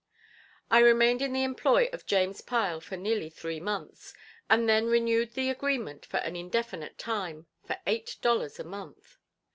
I remained in the employ of James Pile for nearly three months, and then renewed the agreement for an indefinite time, for eight dollars a month.